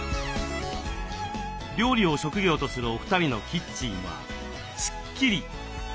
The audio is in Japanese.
料理を職業とするお二人のキッチンはスッキリ！